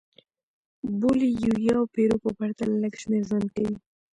د بولیویا او پیرو په پرتله لږ شمېر ژوند کوي.